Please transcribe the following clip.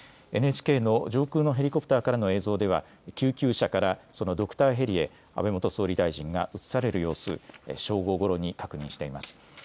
ＮＨＫの上空のヘリコプターからの映像では救急車から、そのドクターヘリで安倍元総理大臣が移される様子正午ごろに確認しています。